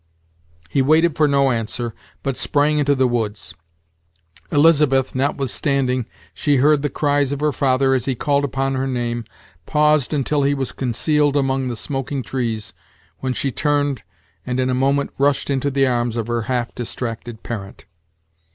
He waited for no answer, but sprang into the woods. Elizabeth, notwithstanding she heard the cries of her father as he called upon her name, paused until he was concealed among the smoking trees, when she turned, and in a moment rushed into the arms of her half distracted Parent.